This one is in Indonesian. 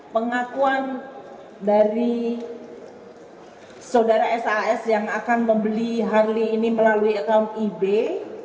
pengakuan dari saudara sas yang akan membeli harley ini melalui akun ebe